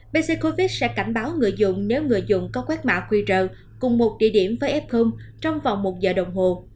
pc covid sẽ cảnh báo người dùng nếu người dùng có quét mạ quy trợ cùng một địa điểm với f trong vòng một giờ đồng hồ